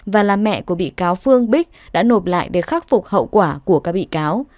và là mẹ của bị cáo phương bích đã nộp lại để khắc phục hậu quả của các bị cáo